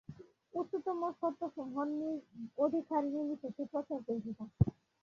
উচ্চতম সত্যসমূহ অধিকারিনির্বিশেষে প্রচার করিতে থাক।